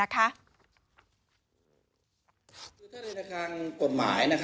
ถ้าเรียนในการกฎหมาย